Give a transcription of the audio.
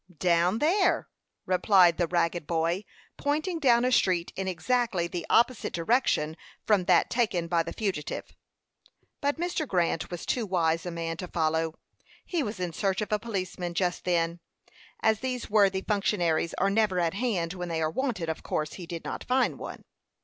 "Down there," replied the ragged boy, pointing down a street in exactly the opposite direction from that taken by the fugitive. But Mr. Grant was too wise a man to follow. He was in search of a policeman just then. As these worthy functionaries are never at hand when they are wanted, of course he did not find one.